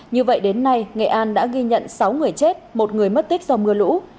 như vậy đến nay nghệ an đã ghi nhận sáu người chết một người mất tích do mưa lũ